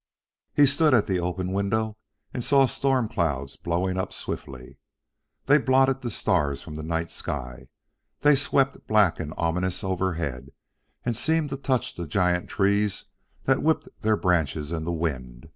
He stood at the open window and saw storm clouds blowing up swiftly. They blotted the stars from the night sky; they swept black and ominous overhead, and seemed to touch the giant trees that whipped their branches in the wind.